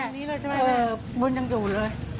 ตรงนี้เลยใช่ไหมแม่ปืนยังอยู่เลย